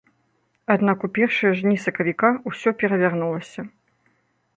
Аднак у першыя ж дні сакавіка ўсё перавярнулася.